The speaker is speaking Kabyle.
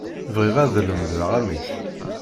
Bɣiɣ ad lemdeɣ amek.